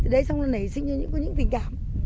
đấy xong là nảy sinh những tình cảm